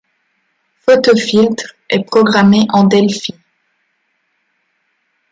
PhotoFiltre est programmé en Delphi.